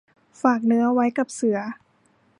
ฝากเนื้อไว้กับเสือ